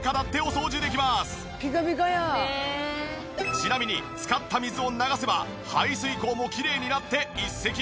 ちなみに使った水を流せば排水口もきれいになって一石二鳥！